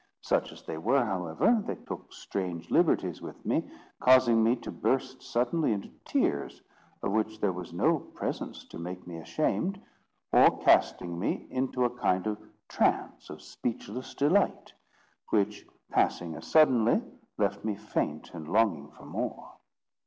Such as they were, however, they took strange liberties with me, causing me to burst suddenly into tears, of which there was no presence to make me ashamed, or casting me into a kind of trance of speechless delight, which, passing as suddenly, left me faint and longing for more.